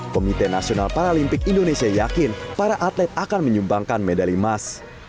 komite nasional paralimpik indonesia yakin para atlet akan menyumbangkan medali emas